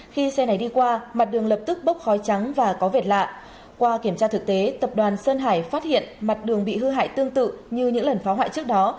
khi xe này đi qua mặt đường lập tức bốc khói trắng và có vệt lạ qua kiểm tra thực tế tập đoàn sơn hải phát hiện mặt đường bị hư hại tương tự như những lần phá hoại trước đó